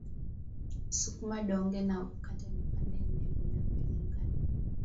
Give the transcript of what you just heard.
Sukuma donge na ukate vipande nne vinavyolingana